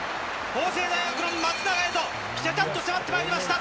法政大学の松永へと、ぺたっと迫ってまいりました。